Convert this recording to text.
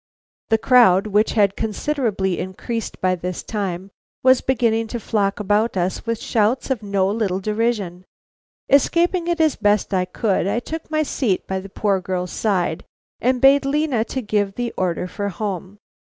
The crowd, which had considerably increased by this time, was beginning to flock about us with shouts of no little derision. Escaping it as best I could, I took my seat by the poor girl's side, and bade Lena give the order for home.